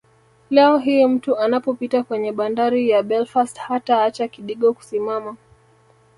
Leo hii mtu anapopita kwenye bandari ya Belfast hataacha kidigo kusimama